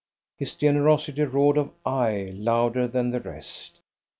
His generosity roared of I louder than the rest.